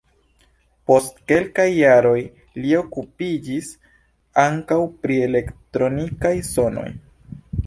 Post kelkaj jaroj li okupiĝis ankaŭ pri elektronikaj sonoj.